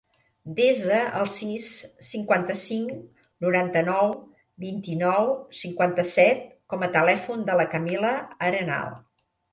Desa el sis, cinquanta-cinc, noranta-nou, vint-i-nou, cinquanta-set com a telèfon de la Camila Arenal.